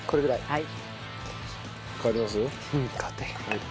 はい。